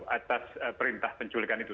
atas perintah penculikan itu